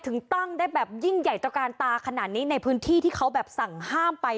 ถึงตั้งได้แบบยิ่งใหญ่ตระกาลตาขนาดนี้ในพื้นที่ที่เขาแบบสั่งห้ามไป